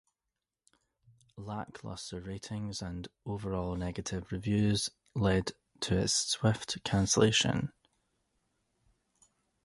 Lackluster ratings and overall negative reviews led to its swift cancellation.